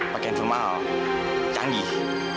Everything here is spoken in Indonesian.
dia informal canggih